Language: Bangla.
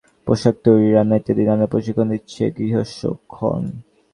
গৃহসুখননারীদের জন্য হাতের কাজ, পোশাক তৈরি, রান্না ইত্যাদি নানা প্রশিক্ষণ দিচ্ছে গৃহসুখন।